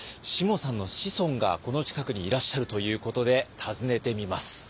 しもさんの子孫がこの近くにいらっしゃるということで訪ねてみます。